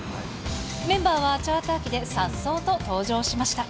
メンバーはチャーター機でさっそうと登場しました。